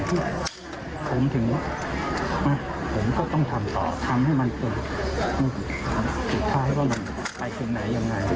เพื่อผมถึงผมก็ต้องทำต่อทำให้มันเป็นสุดท้ายว่ามันไปถึงไหนยังไง